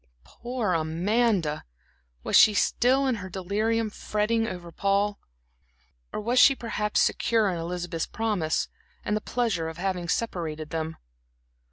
Poor Amanda! Was she still, in her delirium, fretting over Paul? Or was she, perhaps, secure in Elizabeth's promise, and the pleasure of having separated them?